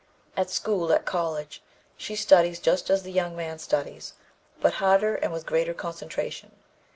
"At school, at college, she studies just as the young man studies, but harder and with greater concentration.